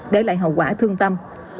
để lại hậu quả thương tâm